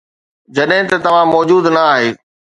جڏهن ته توهان موجود نه آهي